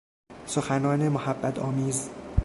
سخنان محبت آمیز